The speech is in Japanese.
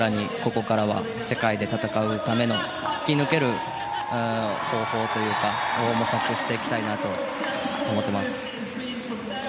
ここからは世界で戦うための突き抜ける方法を模索していきたいなと思っています。